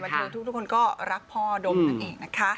เธอทุกคนก็รักพ่อดมนั่นเองนะคะ